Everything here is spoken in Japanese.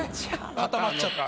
固まっちゃった。